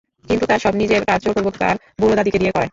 কিন্তু তার সব নিজের কাজ জোরপূর্বক তার বুড়ো দাদীকে দিয়ে করায়।